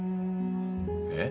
えっ？